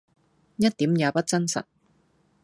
一點也不真實！